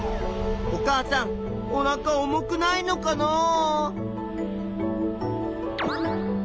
お母さんおなか重くないのかなあ。